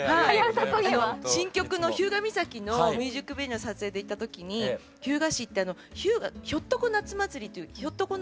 新曲の「日向岬」のミュージックビデオの撮影で行った時に日向市って「日向ひょっとこ夏祭り」というひょっとこのお祭りが有名で。